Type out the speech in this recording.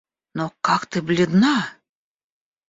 Но как ты бледна!